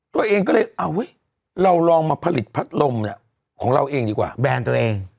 ตัวเองก็เลยเอาเราลองมาผลิตพัดลมเนี่ยของเราเองดีกว่าแบรนด์ตัวเอง